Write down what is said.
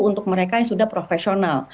untuk mereka yang sudah profesional